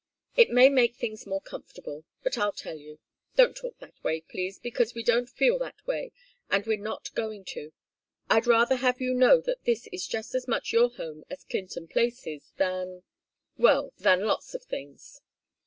It may make things more comfortable. But I'll tell you. Don't talk that way, please, because we don't feel that way, and we're not going to. I'd rather have you know that this is just as much your home as Clinton Place is than well, than lots of things.